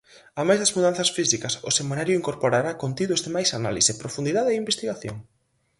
Amais das mudanzas físicas, o semanario incorporará contidos de máis análise, profundidade e investigación.